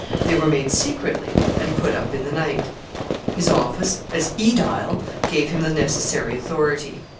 They were made secretly, and put up in the night. His office as aedile gave him the necessary authority.